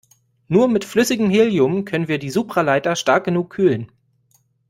Nur mit flüssigem Helium können wir die Supraleiter stark genug kühlen.